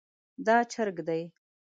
دا چرګ دی